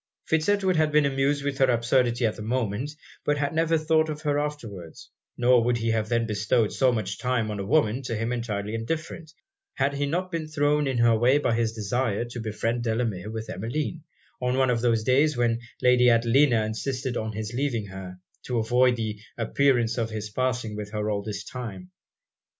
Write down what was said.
Fitz Edward had been amused with her absurdity at the moment, but had never thought of her afterwards; nor would he then have bestowed so much time on a woman to him entirely indifferent, had not he been thrown in her way by his desire to befriend Delamere with Emmeline, on one of those days when Lady Adelina insisted on his leaving her, to avoid the appearance of his passing with her all his time.